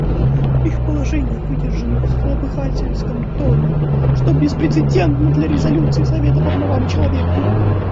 Их положения выдержаны в злопыхательском тоне, что беспрецедентно для резолюций Совета по правам человека.